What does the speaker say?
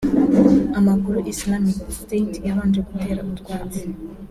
amakuru Islamic State yabanje gutera utwatsi